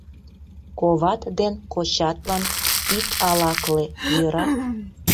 Коват ден кочатлан ит алакле, йӧра?